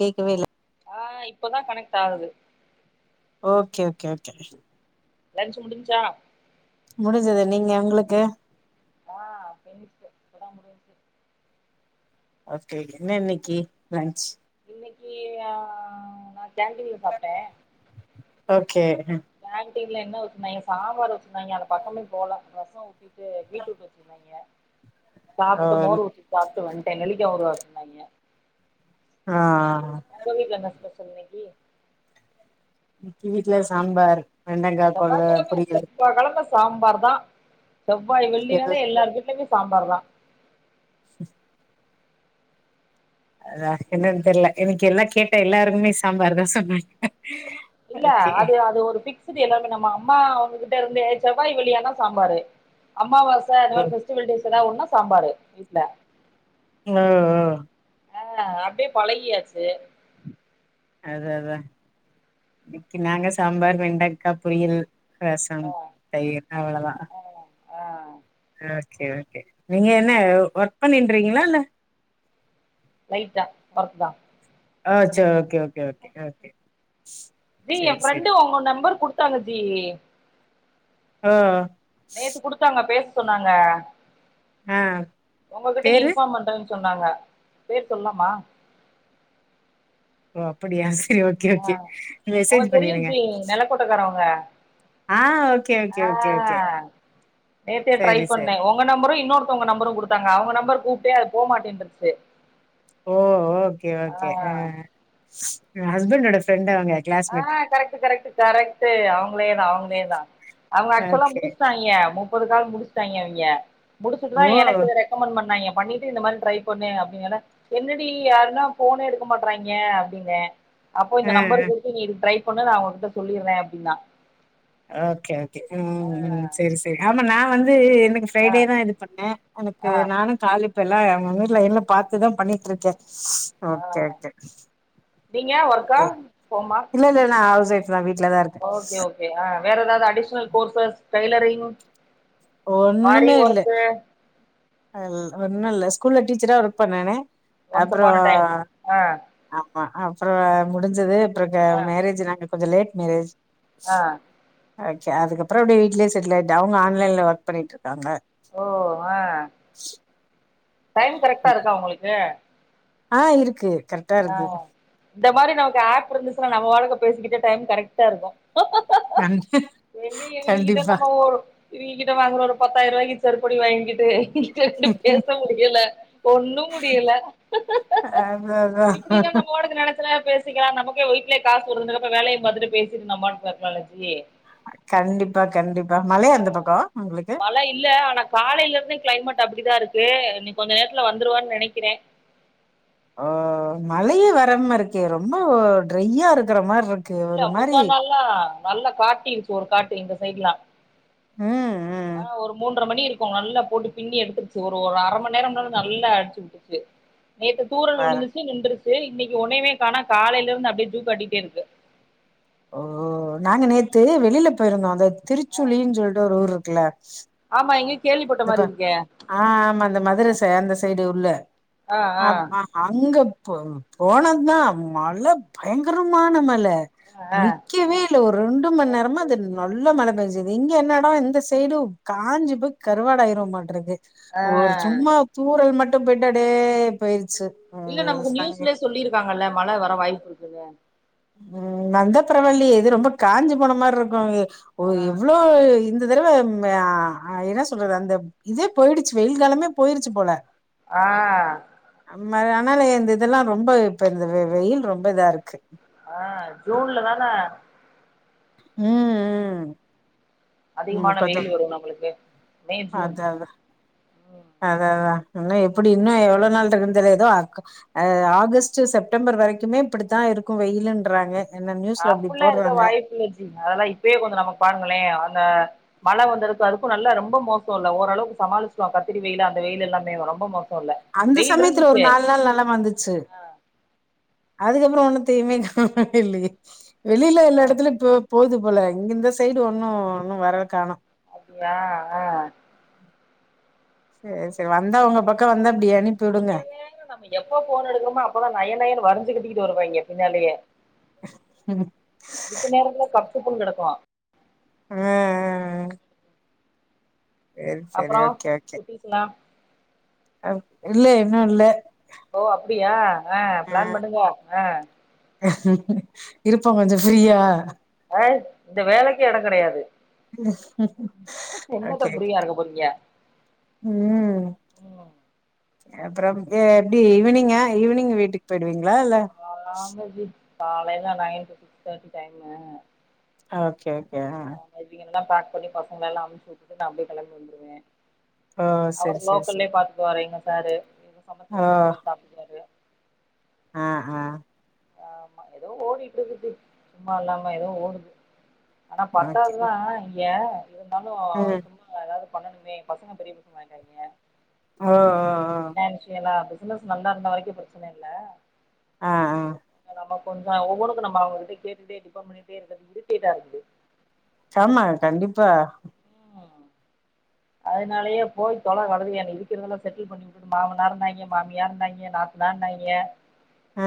கேக்கவே இல்ல ஆ இப்பதா கனெக்ட் ஆவுது ஓகே ஓகே ஓகே லன்ச் முடுஞ்சா முடுஞ்சுது நீங்க உங்ளுக்கு ஆ பின்ச்சு இப்பதா முடிஞ்ச்சு ஓகே ஓகே என்ன இன்னக்கி லன்ச் இன்னக்கி ஆ நா கேன்டீன்ல சாப்ட்டே ஓகே கேன்ட்டீன்ல என்ன வெச்சிருந்தாங்க சாம்பார் வெச்சிருந்தாங்க அந்த பக்கமே போல ரசோ ஊத்திட்டு பீட்ரூட் வெச்சிருந்தாங்க [unintelligible] சாப்ட்டு மோர் ஊத்தி சாப்ட்டு வந்டே நெல்லிக்கா ஊறுகா வெச்சிருந்தாங்கெ ஆ ஒங்க வீட்ல என்ன ஸ்பெஷல் இன்னக்கி இன்னக்கி வீட்ல சாம்பார், வெண்டக்கா கொ பொரியல் சாம்பார்தா செவ்வாய், எது வெள்ளியாணா எல்லார் வீட்லமே சாம்பார்தா ம் [unintelligible] அதா என்னனு தெர்ல இன்னக்கி எல்லா கேட்ட எல்லாருமே சாம்பார்தா சொன்னாங்க இல்ல ஓகே அது அது ஒரு ஃபிக்ஸ்டு எல்லார்க்கு நம்ம அம்மா அவுங்ககிட்ட இருந்து செவ்வா, வெள்ளியானா சாம்பாரு அமாவாச அந்த ஓ மாரி ஃபெஸ்டிவல் டேஸெல்லா ஒன்னா சாம்பாரு வீட்ல ஓ ஓ ஆ அப்டியே பழகியாச்சு அது அதா இன்னக்கி நாங்க சாம்பார், வெண்டக்கா பொரியல் ரசம், ஆ தயிர் அவ்ளதா ஆ ஆ ஓகே ஓகே நீங்க என்ன ஒர்க் பண்ணின்டுரீங்ளா இல்ல லைட்டா ஒர்க்தா ஆ சேர் okay okay okay okay G எ சேரி ஃப்ரெண்டு சேரி உங்க நம்பர் குடுத்தாங்க ஜி ஆ நேத்து குடுத்தாங்க பேச சொன்னாங்க ஆ உங்ககிட்ட பேரு? இன்ஃபார்ம் பண்றனு சொன்னாங்க பேர் சொல்லாமா ஓ அப்படியா செரி ஓகே ஆ ஓகே மெசேஜ் பண்ணிருங்க ஆ ஆ ஓகே, ஓகே, ஆ ஓகே, ஓகே. நேத்தே ட்ரை சரி, சரி. பண்ணே உங்க நம்பரு இன்னொருத்தவங்க நம்பரு குடுத்தாங்க அவுங்க நம்பர் கூப்ட்டே அது போ மாட்டேன்டுருச்சு ஓ ஓகே ஓகே அ எ ஹஸ்பண்டோட ஃப்ரெண்டு அவுங்க ஆ கரெக்ட் கரெக்ட் கரெக்ட் அவூங்ளேதா அவுங்ளேதா அவுங்க ஆக்சுவலா ஓகே. முடிச்சுட்டாஙிக முப்பது கால் முடிச்சிட்டாஙிக அவிங்க முடிச்சுட்டுதா ஓ! எனக்கு ரெக்கமண்ட் பண்ணாங்க பண்ணிட்டு இந்த மாரி ட்ரை பண்ணு அப்டின்ல்லா என்னடி யாருனா போனே எடுக்க மாட்றாஙிக அப்டின அப்போ ஆ, இந்த நம்பர் ஆ. கு ட்ரை பண்ணு நா அவுங்ககிட்ட சொல்லிறே அப்டினா ஓகே ஓகே ம் ம் செரி செரி ஆனா நா வந்து எனக்கு ஆ ஃப்ரைடேதா இது பண்ணே எனக்கு ஆ நானு கால் இப்ப எல்லா எங்க ஊர்ல என்ன பாத்துதா பண்ணிட்டு இருக்கே ஆ ஓகே ஒகே நீங்க ஒர்க்கா ஹோமா இல்ல நான் ஹவுஸ் ஒய்ஃப் தான் வீட்ல தான் இருக்கேன். ஓகே ஓகே அ வேற எதாவுது அடிஷனல் கோர்சஸ் டைலரிங் ஆரி ஒர்க்கு அ இல் ஒன்னு இல்ல ஸ்கூல்ல டீச்சரா ஒர்க் பண்ணேனே ஒன்ஸ் அப்ற அப்பான் அ டைம் ஆ ஆமா அப்ற முடிஞ்சது அப்புறங்க ஆ மேரேஜ் நாங்க கொஞ்ச லேட் மேரேஜ் ஆ ஆயிட்ச்சு அதுக்கப்புற அப்டியே வீ்ட்லயே செட்டில் ஆய்ட்டே அவுங்க ஆன்லைன்ல ஒர்க் பண்ணிட்ருக்காங்க ஓ ஆ [unintelligible] டைம் கரெக்டா இருக்கா உங்களுக்கு ஆ இருக்கு கரெக்டா ஆ இருக்கு இந்த மாரி நமக்கு ஆப் இருந்துச்சுனா நம்ம வாழ்க்க பேசிகிட்டே டைம் கரெக்டா இருக்கு கண்டி எங்க இவிங்ககிட்ட கண்டிப்பா நம்ம இவிங்க கிட்ட வாங்கற ஒரு பத்தாயிருவாய்க்கு செருப்படி வாங்கிட்டு ன்டு பேச முடியல ஒண்ணு முடியல அதா அதா இப்பிடிதா நம்மோடத நெனைச் ச நேர பேசிக்கலா நமக்கே வீட்ல காசு வரு அதுக்கப்ற வேலையு பாத்துட்டு பேசிட்டு நம்ம பாட்டுக்கு இருக்கலால ஜி [unintelligible] கண்டிப்பா கண்டிப்பா மழையா ஆ அந்த பக்க உங்ளுக்கு இப்ப அப்பிடிதா இருக்கு இனி கொஞ்ச நேரத்துல வந்துருவான் நெனைக்கிறே ஆ மழையே வராம இருக்கே ரொம்ப ட்ரையா இருக்கற மார் இரு இல்ல முந்தா நாள் லா நல்ல காட்டி இருச்சு ஒரு காட்டு எங்க சைடுலா ம் ம் ஆ ஒரு மூன்ற மணி இருக் கு நல்லா போட்டு பின்னி எடுத்துருச்சு ஒரு ஒரு அர மண் நேரம்னாலு நல்லா அடிச்சு விட்டுச்சு நேத்து தூரல் வேற விழுந்துச்சு நின்றுச்சு இன்னைக்கு ஒன்னயுமே காணா காலைல இருந்து அப்டியே ஜூ காட்டிட்டே இருக்கு ஓ நாங்க நேத்து வெளில போயிருந்தோ அந்த ஆ திருச்சுலின் சொல்ட்டு ஒரு ஊர் இருக்குல ஆமா எங்கயோ கேள்விப்பட்ட அந்தப்ப மாரி இருக்கே ஆ ஆமா அந்த மதுரை ச அந்த சைடு உள்ள ஆ அ ஆ ம அங்க ப போனதுதா மழ பயங்கரமான மழ ஆ ஆ நிக்கவே இல்ல ஒரு ரெண்டு மண் நேரமா தேங்க்யூ அது நல்ல மழ பேஞ்சுது இங்க என்னடா இந்த சைடு காஞ்சி போய் கருவாடு ஆயிருவமாட்ருக்கு ஆ ஒரு சும்மா தூறல் மட்டு போய்ட்டு அப்டியே போயிருச்சு இல்ல அது நமக்கு சங்க நியூஸ்லே சொல்லிருக்காங்கல்ல மழ வர வாய்ப்பு இருக்குனு ம் வந்தா பரவால்லியே இது ரொம்ப காஞ்சி போன மார் இருக்கு ஒ ஆ இவ்ளோ இந்த தடவ ம் ஆ என்ன சொல்றது அந்த இதே போயிடுச்சு வெயில் காலமே போயிருச்சு போல ஆ ம் அ ஆனாலு இந்த இதெல்லா ரொம்ப இப்ப இந்த வெ வெயில் ரொம்ப இதா இருக்கு ஆ ஜூன்ல தான ம் ம் அதிகமான வெயில் முக்காஜவு வரு நம்மளுக்கு மே ஜூன் அதா அதா ம் அதா அதா இன்னு எப்பிடி இன்னு எவ்ளோ நாள் இருக்குன் தெரியாது ஏதோ அக் ஆகஸ்டு செப்டம்பர் வரைக்குமே இப்பிடிதா இருக்கு வெயிலுன்றாங்க என்ன நியூஸ்ல அப்டி அப்பில்லா இருக்க போடுறாங்க வாய்ப்பில்ல ஜி அதெல்லா இப்பயே கொஞ்ச நமக் பாருங்களே அந்த மழ வந்ததுக்கு அதுக்கு நல்லா ரொம்ப மோசல்ல ஓரளவுக்கு சமாளிச்சிக்லா கத்திரி வெயிலு அந்த வெயிலு எல்லாமே ரொம்ப மோச அந்த சமயத்துல ஒரு நாலு நாள் நல்லா வந்துச்சு ஆ அதுக்கப்புற ஒண்ணுத்தயுமே காணவில்லையே ஓ போகுது போல இங்க இந்த சைடு ஒண்ணு ஒன்னு வர காணொ அப்டியா ஆ சரி சரி வந்தா உங்க பக்க வந்தா இப்டி அனுப்பி விடுங்க இவிங்க வேற நம்ம எப்ப ஃபோன் எடுக்கறமோ அப்பதா நய நயனு வரிஞ்சு கட்டிட்டு வருவாங்க பின்னாலயே மித்த நேரத்துல கப் சுப்னு கெடக்கு ஆ ஆ சரி சரி அப்பறோ குட்டிஸ்ல்லா அ இல்ல இன்னு இல்ல ஓ அப்டியா ஆ பிளான் பண்ணுங்க ஆ இருப்போ கொஞ்ச ஃப்ரீயா அ இந்த வேலைக்கே எட கெடையாது என்னத்த ஓகே ஃப்ரீயா இருக்க போறீங்க? ம் ம். அப்புறம் எப்டி ஈவினிங்கா ஈவினிங் வீட்டுக்கு போயிடுவீங்களா இல்ல காலைல nine two six thirty time okay ஆ இவங்கிலல்லா பேக் பண்ணி பசங்கல்லா அமிச்சு விட்டு நா அப்டியே கெளம்பி வந்துருவே ஆ அவரு லோக்கல்லயே பாத்துக்குவாரு எங்க சாரு எங்க சமத்துவ ஓ சுதந்திரமே சாப்ட்டுக்குவாரு ஆ ஆ ஆமா ஏதோ ஓடிட்டு இருக்குது சும்மா இல்லாம ஏதோ ஓடுது ஆனா ஓகே பத்தாவதுதா ஏ இருந்தாலு ம் சும்மாங்க ஏதாவது பண்ணணுமே பசங்க பெரிய பசங்க ஆய்டாய்ங்க ஆ ஆ பினான்சியலா பிசினஸ் நல்லா இருந்த வரைக்கு பிரச்சனை இல்ல ஆ ஆ நம்ம கொஞ்ச ஒவ்வொனுக்கு நம்ம அவங்ககிட்ட கேட்டுட்டே டிபன் பண்ணிட்டே இருக்கது இரிடேட்டா இருக்குது சாமா கண்டிப்பா ம் அதனாலயே போய் தொலை கழுதையா இருக்கிறதெல்லா செட்டில் பண்ணி விட்டுட்டு மாமனார்ணாய்ங்க மாமியாணாய்ங்க ந ணான்னாய்ங்க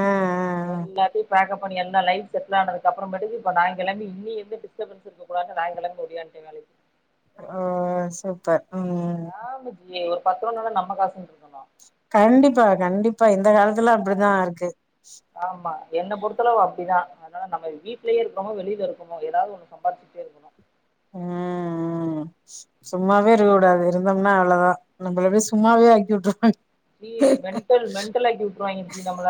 ஆ ஆ எல்லாத்தையு பேக்பப் பண்ணி எல்லா லைப் செட்டில் ஆனதுக்கு அப்புறமேட்டுக்கு இப்ப நா கெளம்பி இன்னி எந்த டிஸ்டபன்ஸ் இருக்கக்கூடாது [inaudible] நாயங்கள்ளா ஒடியாண்ட வேலைக்கு ஆ சூப்பர் ம் பத்ரூவானாலு நம காசு [unintelligible] கண்டிப்பா கண்டிப்பா இந்த காலத்துலா அப்படிதா இருக்கு ஆமா என்ன பொறுத்தளவு அப்டிதா அதனால நம்ம வீட்லயே இருக்கோமோ வெளியில இருக்கமோ ஏதாவது ஒண்ணு சம்பாதிச்சுட்டே இருக்கணு ம் ம் சும்மாவே இருக்கக்கூடாது இருந்தம்னா அவ்வளவுதா நம்மள இப்டி சும்மாவே ஆக்கி விட்டுருவாங்க ஜி மெண்டல் மென்டல்லாக்கி விட்டுருவாய்ங்க ஜி நம்மள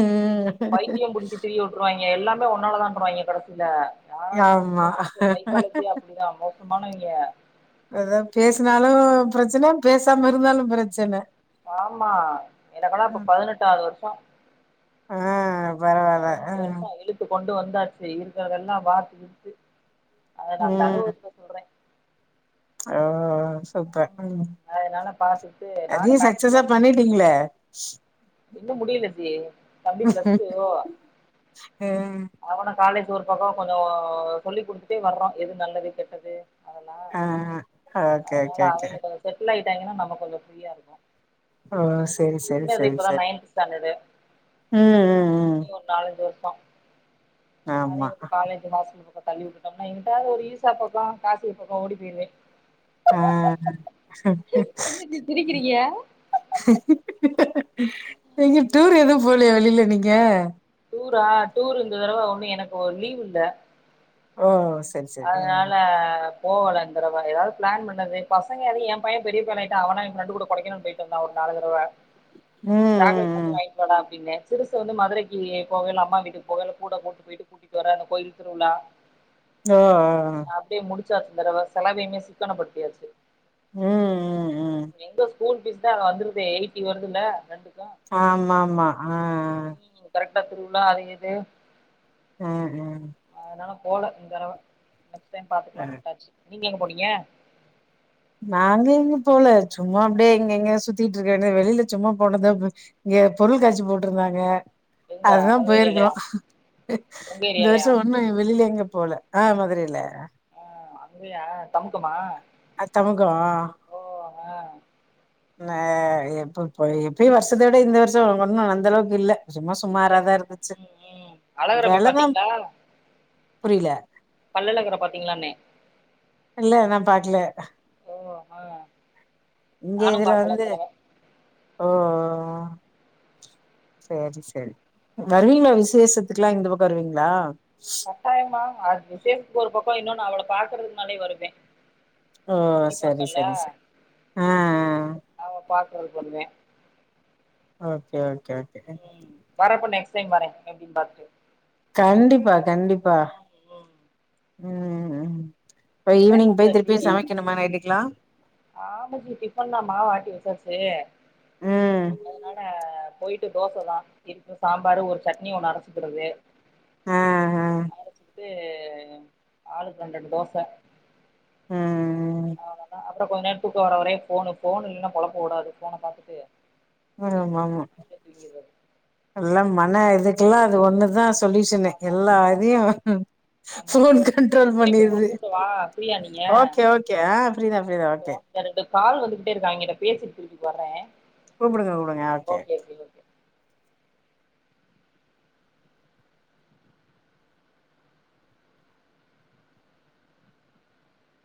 ம் பைத்திய பிடிச்ச திரிய விட்டுருவாய்ங்க எல்லாமே ஒன்னாலதான்ருவாய்ங்க கடைசில யார இருந்தாலு ஆமா ஜென்ஸ்ல சைக்காலஜி அப்படிதா மோசமானவய்ங்க அதா பேசினாலு பிரச்சனை பேசாம இருந்தாலு பிரச்சனை ஆமா எனக்குன்னா இப்ப பதினெட்டாவது வருஸோ ஆ பரவால்ல ஆ பதினெட்டு வருஷ இழுத்து கொண்டு வந் தாச்சு இருக்கிறதல்லா வாத்து விடுத்து அத நா அந்த ம் அனுபவத்த சொல்றே ஓ சூப்பர் ம் அதனால பாத்துட்டு நானு அதையு சக்சஸா மேக்சிமம் பண்ணிட்டீங்களே இன்னு முடியல ஜீ தம்பி பிளஸ் டூ ம் அவன காலேஜ் இது ஒரு பக்க கொஞ்ச சொல்லி் துடுத்துட்டே வர்றோ எது நல்லது கெட்டது அதெல்லா ஆ ஓகே ஓகே ஓகே விட்டாங்கன்னா நம்ம கொஞ்ச ஃப்ரீயா இருக்கு ஆ செரி செரி செரி இப்பதா செரி நைன்து ஸ்டாண்டர்டு ம் ம் இன்ன ஒரு நாலஞ்சு வருஸோ ம் ஆமா அதையு ஒரு காலேஜ் ஹாஸ்டல் பக்கோ தள்ளிவிட்டோம்னா எங்ட்டாவது ஒரு ஈசா பக்க காசிய பக்க ஓடி போயிருவே ஆ அ என்ன இப்டி சிரிக்கிறீங்க எங்யு டூர் எது போலியா வெளில நீங்க டூரா டூர் இந்த தடவ ஒன்னு எனக்கு ஒ லீவு இல்ல ஆ ஸ் செரி செரி அதனால போவல இந்தறவ ஏதாவது பிளான் பண்ணது பசங்க எதயு ஏ பைய பெரிய பையனாயிட்டா அவனா எ ஃப்ரெண்டு கூட கொடைக்கானல் போயிட்டு வந்தா ஒருனா பல தடவ சாக்லேட் ம் மட்டு ம் வாயின்ட் வாடா அப்டின சிறுசு வந்து மதுரைக்கி போகைல அம்மா வீட்டுக்கு போகல கூட கூட்டு போயிட்டு கூட்டிட்டு வரே இந்த கோயில் திருவிழா ஆ ஆ ஆ ச்சாந்தடவ செலவையுமே சிக்கனப்படுத்தியாச்சு உம் உம் உம் எங்க ஸ்கூல் பீஸ் தா வந்துருதே எயிட்டி வருதுல்ல நண்டு ஆமா மா அ அ ட்டத் திருவிழா அது எது உம் உம் நா போல இந்தடவ நெக்ஸ்ட் டைம் ஆ பாத்துக்லானு உட்டாச்சு நீங்க எங்க போனீங்க நாங்க எங்யு போல சும்மா அப்டியே இங்க இங்க சுத்திட்ருக்க வேண்டியத வெளில சும்மா போனது ப இங்க பொருள் காட்சி போட்ருந்தாங்க எங்க அதுதா உங்க போயிருக்கிறோ ஏரியாலயா உங்க இந்த வருஷ ஏரியாலயா ஒன்னு வெளில எங்கியு போல அ மதுரைல அப்டியா தமுக்கமா அ தமுக அ பவா நா எப்பப் போய் எப்பியு வருஷத்த விட இந்த வருஷ ஒன்னு அந்தளவுக்கு இல்ல சும்மா இல்ல சுமாராதா இருந்துச்சு ம் ம் அழகர போய் வெலதா புரில பள்ளகர பாத்தீங்களான்னே இல்ல நா பாக்ல ஓ ஆ இங்க நானும் இதுல பாக்கல வந்து இந்த தடவ ஓ சேரி சேரி வருவீங்ளா விசேஷத்துக்குலா இந்த பக்க வருவீங்ளா கட்டாயமா அது விசேஷத்துக்கு ஒரு பக்க இன்னொனு அவள பாக்குறதுக்குனாலே வருவே ஓ சரி சுத்திபாத்தல்ல சரி சரி ஆ ஆமா பக்குறதுக்கு வருவே ஓகே ஓகே ஓகே க்ஸ் சைம் வற எப்டின் பாத்துட்டு கண்டிப்பா கண்டிப்பா ம் ம் போய் டைம் ஈவினிங் போய் திருப்பி சமைக்கணுமா நைட்டுக்லா ஆமாஜி டிஃபன் நா. மாவாட்டி வச்சாச்சி ம் அதனால அ போயிட்டு தோசதா இருக்கு சாம்பாரு ஒரு சட்னி ஒன்னு அரச்சுக்கிறது ஆ ஆ து ஆளுக்கு ரெண் ரெண்டு தோச ம்ம் அவ்ளதா அப்ற கொஞ்ச நேர துக்க வர வரையு ஃபோனு. ஃபோனு இல்லனா பொழப்பு ஓடாது ஃபோன பாத்துட்டு ஆமாமா அப்டியே தூங்கிர்றது எல்லா மன இதுக்குலா அது ஒன்னுதா சொல்யூஷனு ஆமா எல்லா ஆமா இதியு ஆமா ஃபோன் நீங்க கண்ட்ரோல் திருப்பி உங்கள பண்ணிருது கூப்டவா ஃப்ரீயா நீங்க ஓகே ஓகே ஆ ஃப்ரீதா ஃப்ரீதா ஓகே கூப்டவா இந்த ரெண்டு கால் வந்துகிட்டேருக்கு அவிங்கிட்ட பேசிட்டு திருப்பி வர்ற கூப்டுங்க கூப்டுங்க அ ஓகே